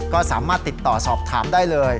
ก็สามารถติดต่อสอบถามได้เลย